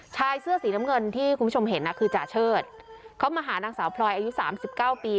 ชายเสื้อสีน้ำเงินที่คุณผู้ชมเห็นน่ะคือจาเชิดเขามาหานางสาวพลอยอายุสามสิบเก้าปี